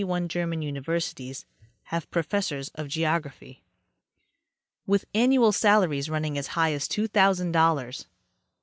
201 twenty one German universities have professors of geography, with annual salaries running as high as two thousand dollars.